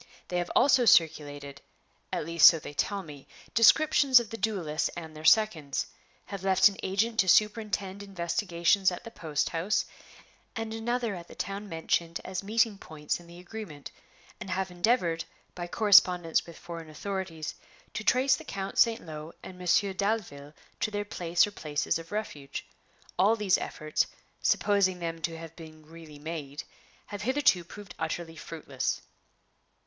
They have also circulated at least so they tell me descriptions of the duelists and their seconds; have left an agent to superintend investigations at the post house, and another at the town mentioned as meeting points in the agreement; and have endeavored, by correspondence with foreign authorities, to trace the Count St. Lo and Monsieur Dalville to their place or places of refuge. All these efforts, supposing them to have been really made, have hitherto proved utterly fruitless."